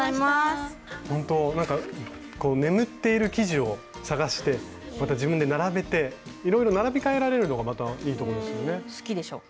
ほんとなんか眠っている生地を探してまた自分で並べていろいろ並び替えられるのがまたいいとこですよね。